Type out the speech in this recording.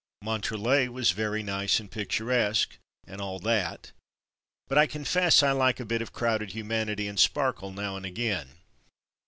Montrelet was very nice and picturesque, and all that, but I confess I like a bit of crowded humanity and sparkle now and again.